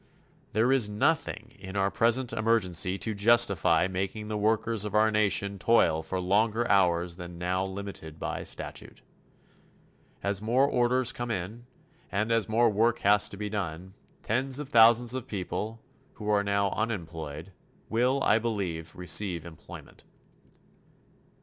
There is nothing in our present emergency to justify making the workers of our nation toil for longer hours than now limited by statute. As more orders come in and as more work has to be done, tens of thousands of people, who are now unemployed, will, I believe, receive employment.